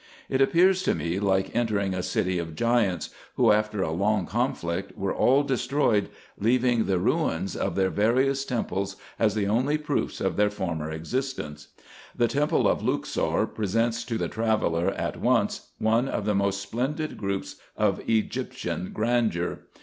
It appeared to me like entering a city of giants, who, after a long conflict, were all destroyed, leaving the ruins of their 38 RESEARCHES AND OPERATIONS various temples as the only proofs of their former existence. The temple of Luxor presents to the traveller at once one of the most splendid groups of Egyptian grandeur.